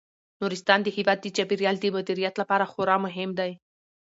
نورستان د هیواد د چاپیریال د مدیریت لپاره خورا مهم دی.